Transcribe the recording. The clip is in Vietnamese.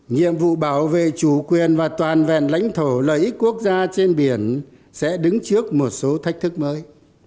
nhiệm vụ bảo vệ chủ quyền và toàn vẹn lãnh thổ lợi ích quốc gia trên biển sẽ đứng trước một số thách thức mới